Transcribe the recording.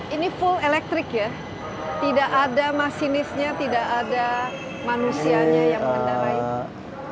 ini full elektrik ya tidak ada masinisnya tidak ada manusianya yang mengendarainya